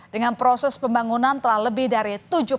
dengan proses pembangunan telah lebih dari